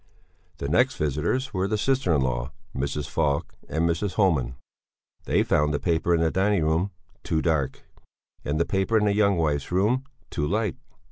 The next visitors were the sister in law, Mrs. Falk, and Mrs. Homan. They found the paper in the dining room too dark, and the paper in the young wife's room too light.